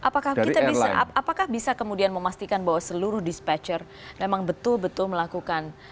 apakah kita bisa apakah bisa kemudian memastikan bahwa seluruh dispatcher memang betul betul melakukan